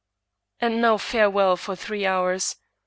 —" And now farewell for three hours.